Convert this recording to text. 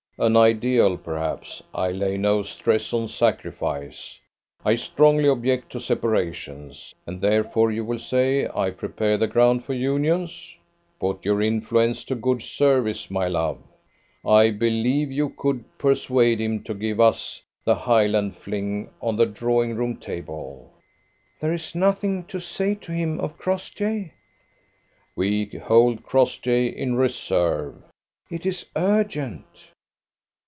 "An ideal, perhaps. I lay no stress on sacrifice. I strongly object to separations. And therefore, you will say, I prepare the ground for unions? Put your influence to good service, my love. I believe you could persuade him to give us the Highland fling on the drawing room table." "There is nothing to say to him of Crossjay?" "We hold Crossjay in reserve." "It is urgent."